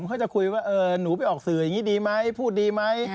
เขาจะคุยว่าหนูไปออกสื่ออย่างนี้ดีไหมพูดดีไหม